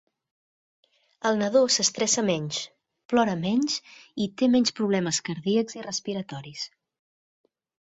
El nadó s'estressa menys, plora menys i té menys problemes cardíacs i respiratoris.